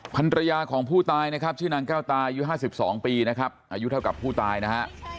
ภรรยาของผู้ตายนะครับชื่อนางแก้วตายุ๕๒ปีนะครับอายุเท่ากับผู้ตายนะฮะ